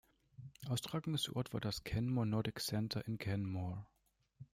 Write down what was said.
Austragungsort war das Canmore Nordic Centre in Canmore.